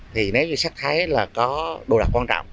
thì nếu như xác thấy là có đồ đạc quan trọng